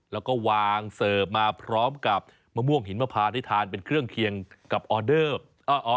แล้วก็วางเสิร์ฟมาพร้อมกับมะม่วงหินมะพาได้ทานเป็นเครื่องเคียงกับออเดอร์